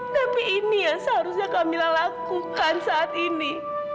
tapi ini yang seharusnya kamila lakukan saat ini